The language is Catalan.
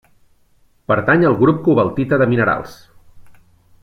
Pertany al grup cobaltita de minerals.